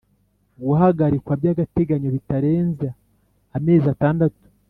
Guhagarikwa by’agateganyo bitarenza amezi atandatu